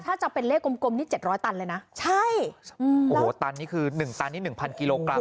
ถ้าเป็นเลขกลม๗๐๐ตันเลยนะทั้งหมด๑ตันนายถึง๑๐๐๐กิโลกรัม